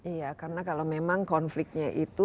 iya karena kalau memang konfliknya itu